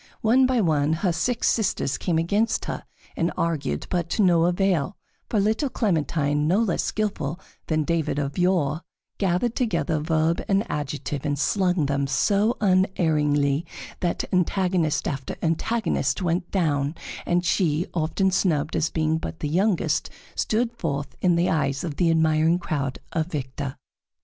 One by one her six sisters came against her and argued, but to no avail, for little Clementine, no less skillful than David of yore, gathered together verb and adjective and slung them so unerringly that antagonist after antagonist went down, and she, often snubbed as being but the youngest, stood forth in the eyes of the admiring crowd a victor.